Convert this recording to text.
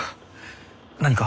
何か？